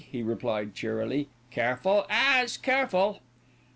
he replied cheerily, "careful as careful."